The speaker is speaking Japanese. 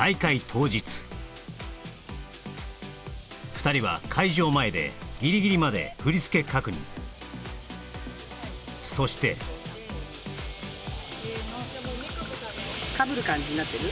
２人は会場前でギリギリまで振り付け確認そしてかぶる感じになってる？